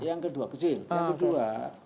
yang kedua kecil